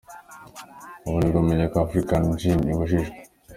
Ubu ni bwo menye ko African Gin ibujijwe."